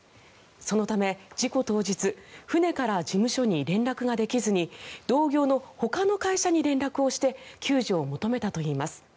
そのため事故当日船から事務所に連絡ができずに同業のほかの会社に連絡をして救助を求めたといいます。